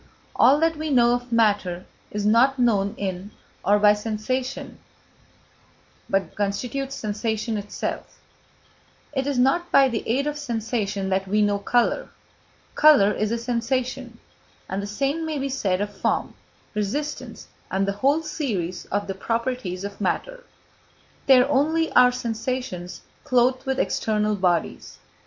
All that we know of matter is not known in or by sensation, but constitutes sensation itself; it is not by the aid of sensation that we know colour; colour is a sensation, and the same may be said of form, resistance, and the whole series of the properties of matter. They are only our sensations clothed with external bodies.